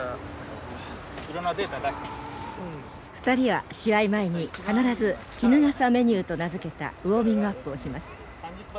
２人は試合前に必ず衣笠メニューと名付けたウォーミングアップをします。